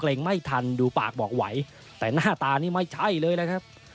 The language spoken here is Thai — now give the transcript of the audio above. ไม่ทันดูปากบอกไหวแต่หน้าตานี่ไม่ใช่เลยนะครับ